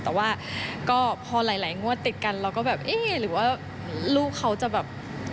แต่ว่าก็พอหลายงวดติดกันเราก็แบบเอ๊ะหรือว่าลูกเขาจะแบบ